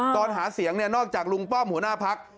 ตอนหาเสียงเนี่ยนอกจากลุงป้อมหัวหน้าพัก